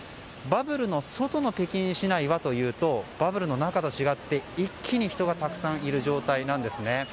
バブルの外の北京市内はというとバブルの中と違って、一気に人がたくさんいる状態なんです。